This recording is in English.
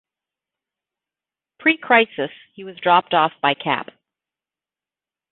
Pre-Crisis he was dropped off by Cap.